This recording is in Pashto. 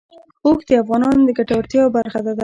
اوښ د افغانانو د ګټورتیا یوه برخه ده.